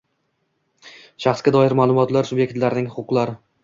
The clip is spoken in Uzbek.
shaxsga doir ma’lumotlar subyektlarining huquqlari